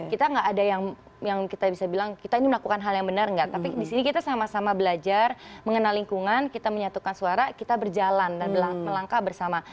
kita nggak ada yang kita bisa bilang kita ini melakukan hal yang benar nggak tapi di sini kita sama sama belajar mengenal lingkungan kita menyatukan suara kita berjalan dan melangkah bersama